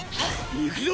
いくぞ！